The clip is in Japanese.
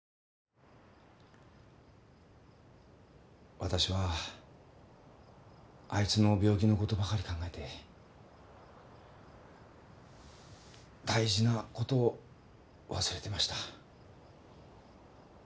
わたしはあいつの病気のことばかり考えて大事なことを忘れてました。